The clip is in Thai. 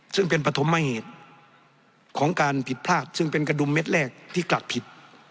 ซึ่งเป็นปฐมเหตุของการผิดพลาดซึ่งเป็นกระดุมเม็ดแรกที่กัดผิด